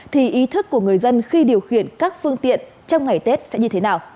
thì ý thức của người dân khi điều khiển các phương tiện trong ngày tết sẽ như thế nào